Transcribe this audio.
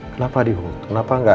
kenapa di hold kenapa gak